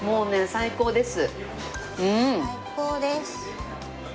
最高です。